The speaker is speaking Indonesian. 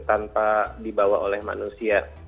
tanpa dibawa oleh manusia